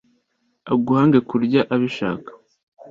aguhange kurya abishaka